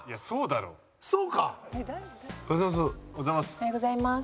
おはようございます。